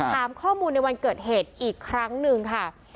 ถามข้อมูลในวันเกิดเหตุอีกครั้งหนึ่งค่ะ